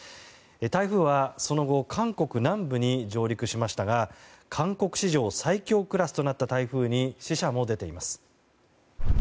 台風は、その後韓国南部に上陸しましたが韓国史上最強クラスとなった台風に死者も出ています。